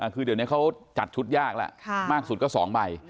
คือเดี๋ยวนี้เขาจัดชุดยากแล้วมากสุดก็๒ใบ